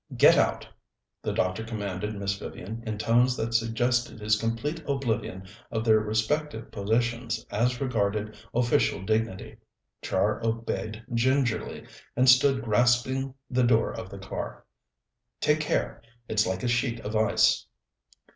"Get out," the doctor commanded Miss Vivian, in tones that suggested his complete oblivion of their respective positions as regarded official dignity. Char obeyed gingerly, and stood grasping the door of the car. "Take care; it's like a sheet of ice."